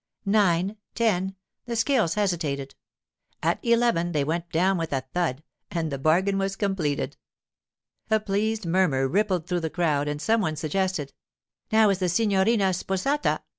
Nine—ten—the scales hesitated. At eleven they went down with a thud, and the bargain was completed. A pleased murmur rippled through the crowd, and some one suggested, 'Now is the signorina sposata.